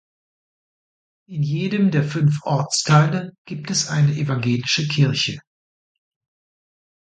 In jedem der fünf Ortsteile gibt es eine evangelische Kirche.